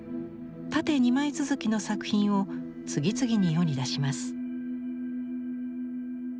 縦２枚続きの作品を次々に世に出します。